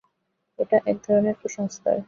এটা এক ধরনের কুসংস্কার।